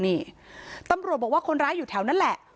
นี่ตำรวจบอกว่าคนร้ายอยู่แถวนั้นแหละ